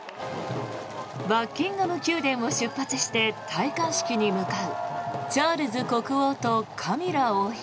バッキンガム宮殿を出発して戴冠式に向かうチャールズ国王とカミラ王妃。